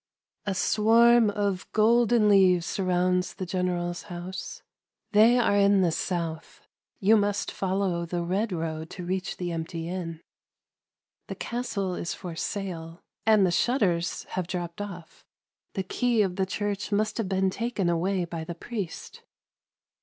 A swarm of golden leaves surrounds the general's house They are in the south. — You must follow the red road to reach the empty inn. The castle is for sale, and the shutters have dropped off. — The key of the church must have been taken away by the priest.